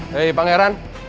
hei bang heran